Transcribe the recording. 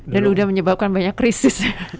dan udah menyebabkan banyak krisis